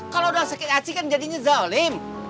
kalau udah sakit aci kan jadinya zalim